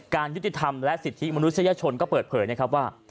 ยุติธรรมและสิทธิมนุษยชนก็เปิดเผยนะครับว่า